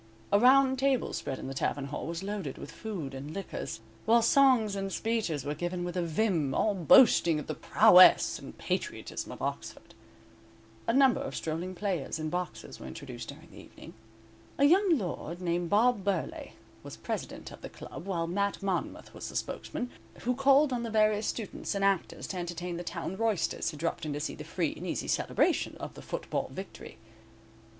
A round table spread in the tavern hall was loaded with food and liquors, while songs and speeches were given with a vim, all boasting of the prowess and patriotism of Oxford. A number of strolling players and boxers were introduced during the evening. A young lord named Bob Burleigh, was president of the club, while Mat Monmouth was the spokesman, who called on the various students and actors to entertain the town roysters who dropped in to see the free and easy celebration of the football victory.